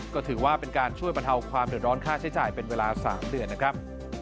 ก็ถือว่าเป็นการช่วยบรรเทาความเดือดร้อนค่าใช้จ่ายเป็นเวลา๓เดือนนะครับ